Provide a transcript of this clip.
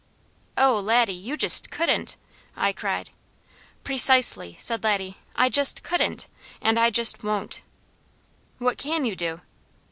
"Oh Laddie, you just couldn't!" I cried. "Precisely!" said Laddie. "I just couldn't, and I just won't!" "What can you do?"